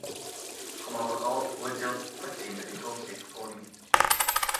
Chomh maith le dhá bhuidéal poitín a bhí tógtha ag na póilíní.